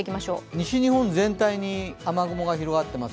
西日本全体に雨雲が広がっています。